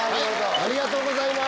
ありがとうございます！